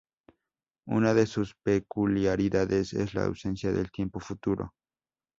Una de sus peculiaridades es la ausencia del tiempo futuro.